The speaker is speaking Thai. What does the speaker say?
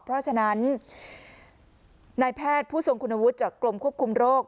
เพราะฉะนั้นนายแพทย์ผู้ทรงคุณวุฒิจากกรมควบคุมโรค